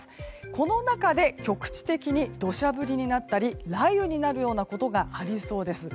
この中で局地的に土砂降りになったり雷雨になるようなことがありそうです。